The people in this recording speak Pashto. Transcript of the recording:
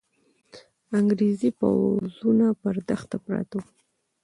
انګریزي پوځونه پر دښته پراته وو.